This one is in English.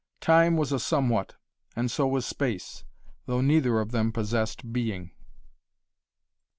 Time was a somewhat, and so was space, though neither of them possessed being.